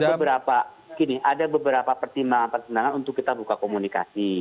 ada beberapa gini ada beberapa pertimbangan pertimbangan untuk kita buka komunikasi